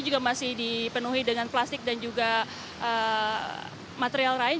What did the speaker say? juga masih dipenuhi dengan plastik dan juga material lain